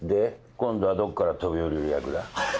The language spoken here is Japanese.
今度はどこから飛び降りる役だ？ハハハ。